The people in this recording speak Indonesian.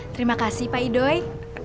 terima kasih pak idoi